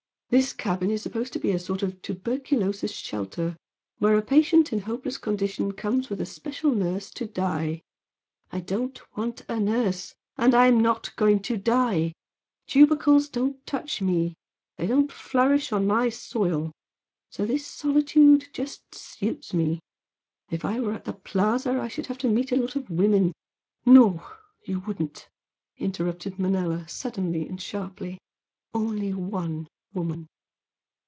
This cabin is supposed to be a sort of tuberculosis 'shelter,' where a patient in hopeless condition comes with a special nurse to die. I don't want a nurse, and I'm not going to die. Tubercles don't touch me they don't flourish on my soil. So this solitude just suits me. If I were at the 'Plaza' I should have to meet a lot of women " "No, you wouldn't," interrupted Manella, suddenly and sharply "only one woman."